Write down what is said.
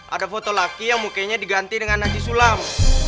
ada foto laki yang mukanya diganti dengan nasi sulam